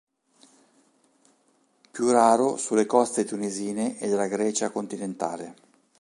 Più raro sulle coste tunisine e della Grecia continentale.